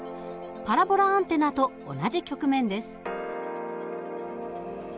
パラボラアンテナと同じ曲面です。